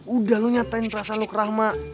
udah lu nyatain perasaan lu ke rahma